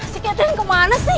si catherine kemana sih